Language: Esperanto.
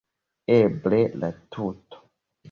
Eble la tuto.